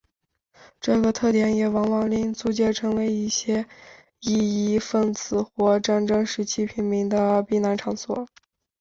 这个特点也往往令租界成为一些异议份子或战争时期平民的避难场所。